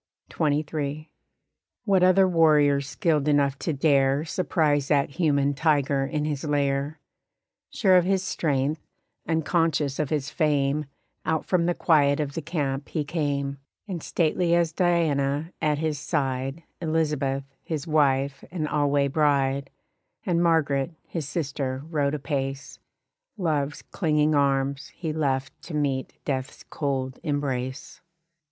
XXIII. What other warrior skilled enough to dare Surprise that human tiger in his lair? Sure of his strength, unconscious of his fame Out from the quiet of the camp he came; And stately as Diana at his side Elizabeth, his wife and alway bride, And Margaret, his sister, rode apace; Love's clinging arms he left to meet death's cold embrace.